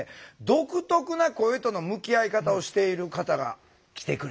独特な声との向き合い方をしている方が来てくれています。